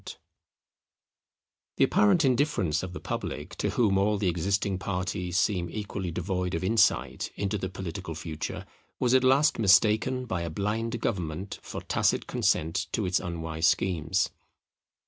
[Political stagnation between 1830 and 1848] The apparent indifference of the public, to whom all the existing parties seemed equally devoid of insight into the political future, was at last mistaken by a blind government for tacit consent to its unwise schemes.